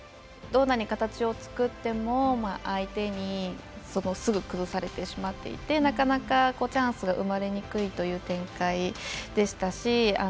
どんなに形を作っても相手にすぐ崩されてしまっていてなかなか、チャンスが生まれにくいという展開でしたし。